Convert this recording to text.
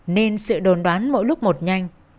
nên sự đồn đoán mỗi lúc một nhanh